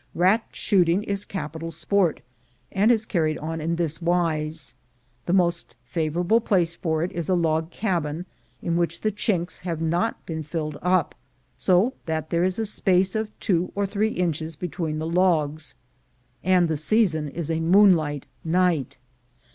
Rat shooting is capital sport, and is carried on in this wise: The most favorable place for it is a log cabin in which the chinks have not been filled up, so that there is a space of two or three inches between the logs; and the season is a moonlight night.